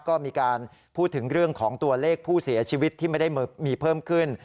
ก็มีการพูดถึงเรื่องของตัวเลขผู้เสียชีวิตที่ไม่ได้มีเพิ่มขึ้น